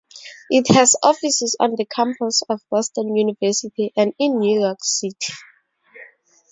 It has offices on the campus of Boston University and in New York City.